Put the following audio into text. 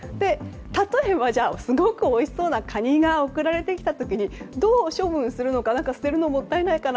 例えばすごくおいしそうなカニが送られてきた時にどう処分するのか捨てるのももったいないかな